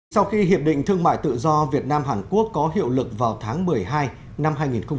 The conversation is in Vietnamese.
sau khi hiệp định thương mại tự do việt nam hàn quốc có hiệu lực vào tháng một mươi hai năm hai nghìn một mươi năm